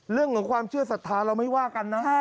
เรื่องของความเชื่อสัทธาเราไม่ว่ากันนะ